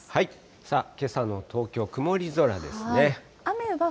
さあ、けさの東京、曇り空ですね。